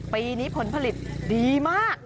ปีนี้ผลผลิตดีมาก